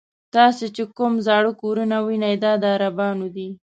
تاسې چې کوم زاړه کورونه وینئ دا د عربانو دي.